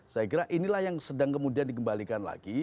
saya kira inilah yang sedang kemudian dikembalikan lagi